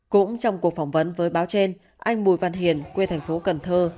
cũng trong cuộc phỏng vấn với báo trên anh bùi văn hiền quê thành phố cần thơ